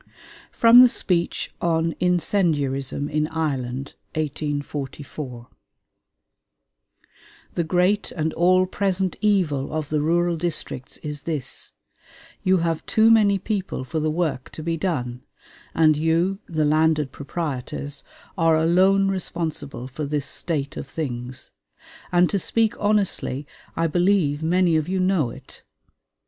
FROM THE SPEECH ON INCENDIARISM IN IRELAND (1844) The great and all present evil of the rural districts is this you have too many people for the work to be done, and you, the landed proprietors, are alone responsible for this state of things; and to speak honestly, I believe many of you know it.